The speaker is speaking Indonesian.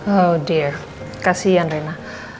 oh dear kasihan rena